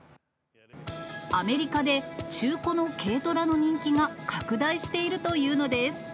アメリカで中古の軽トラの人気が拡大しているというのです。